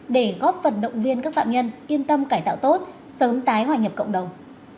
để góp phần động viên các phạm nhân yên tâm cải tạo tốt sớm tái hòa nhập cộng đồng